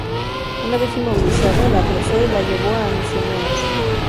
Una vez inmovilizada, la apresó y la llevó a Micenas.